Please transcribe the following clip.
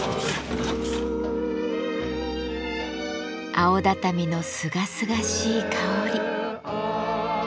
青畳のすがすがしい香り。